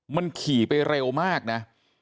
มันขี่ไปเร็วมากนะ